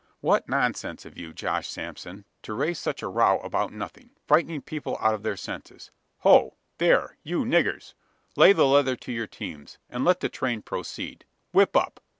"What nonsense of you, Josh Sansom, to raise such a row about nothing frightening people out of their senses! Ho! there, you niggers! Lay the leather to your teams, and let the train proceed. Whip up!